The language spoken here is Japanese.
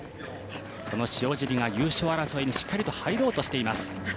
その塩尻が優勝争いにしっかり入ろうとしています。